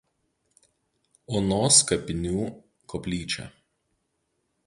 Onos" kapinių koplyčia.